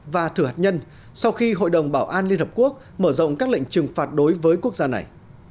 và thửa hạt nhân sau khi hội đồng bảo an liên hợp quốc mở rộng các lệnh trừng phạt đối với quốc gia này